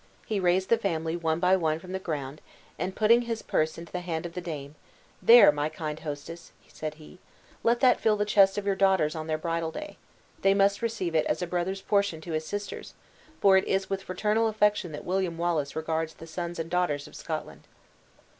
He raised the family one by one from the ground, and putting his purse into the hand of the dame, "There, my kind hostess," said he, "let that fill the chests of your daughters on their bridal day; they must receive it as a brother's portion to his sisters, for it is with fraternal affection that William Wallace regards the sons and daughters of Scotland."